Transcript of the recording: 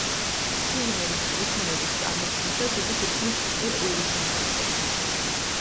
სიმღერის სტრიქონების წარმოთქმისას იგი თითქმის უყვირის ამ სიტყვებს.